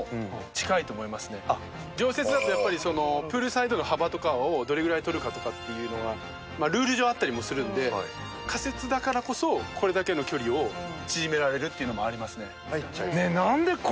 常設だとやっぱりプールサイドの幅とかをどれぐらい取るかとかっていうのはルール上あったりもするんで仮設だからこそこれだけの距離を縮められるっていうのもありますね。